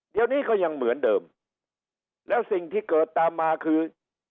เดี๋ยวนี้ก็ยังเหมือนเดิมแล้วสิ่งที่เกิดตามมาคือ